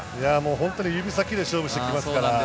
本当に指先で勝負してきますから。